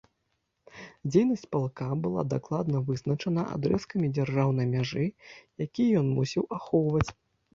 Дзейнасць палка была дакладна вызначана адрэзкамі дзяржаўнай мяжы, якія ён мусіў ахоўваць.